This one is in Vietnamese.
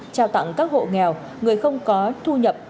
trao tặng các hộ nghèo người không có thu nhập